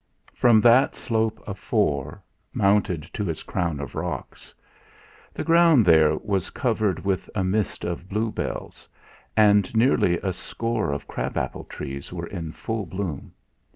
From that slope a for mounted to its crown of rocks. The ground there was covered with a mist of bluebells, and nearly a score of crab apple trees were in full bloom.